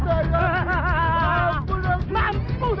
apa anda hidup duk